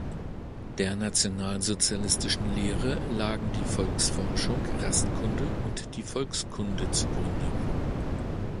Der „nationalsozialistischen Lehre“ lagen die Volksforschung, Rassenkunde und die Volkskunde zugrunde.